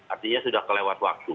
artinya sudah kelewat waktu